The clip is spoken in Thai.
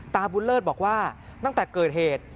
ตาบุญเลิศบอกว่าตั้งแต่เกิดเหตุ